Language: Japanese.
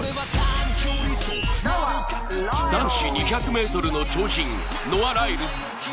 男子２００ｍの超人ノア・ライルズ